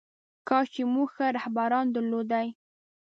کاش چې موږ ښه رهبران درلودلی.